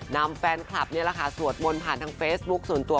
นำแฟนคลับนี่แหละค่ะสวดมนต์ผ่านทางเฟซบุ๊คส่วนตัว